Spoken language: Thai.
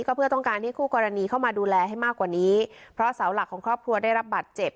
ก็เพื่อต้องการให้คู่กรณีเข้ามาดูแลให้มากกว่านี้เพราะเสาหลักของครอบครัวได้รับบัตรเจ็บ